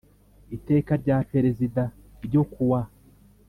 Iteka rya perezida n ryo kuwa